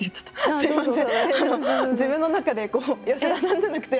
すいません。